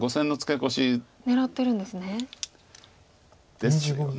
ですよね。